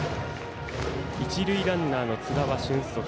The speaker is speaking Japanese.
一塁ランナーの津田は俊足。